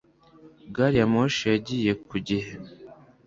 Gari ya moshi yagiye ku gihe